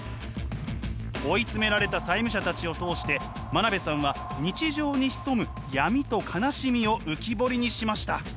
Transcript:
追い詰められた債務者たちを通して真鍋さんは日常に潜む闇と悲しみを浮き彫りにしました！